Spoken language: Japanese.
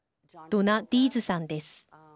ドナ・ディーズさんです。